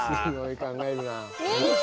考えるなあ。